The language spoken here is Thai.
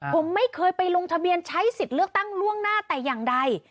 ผมไม่เคยไปลงทะเบียนใช้สิทธิ์เลือกตั้งล่วงหน้าแต่อย่างใด